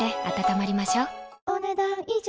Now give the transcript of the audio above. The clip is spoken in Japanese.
お、ねだん以上。